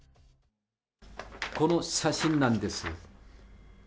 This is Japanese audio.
この写真なんです。